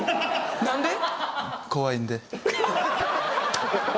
何で？